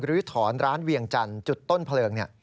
บริวิทรรณร้านเวียงจันทร์จุดต้นเพลิง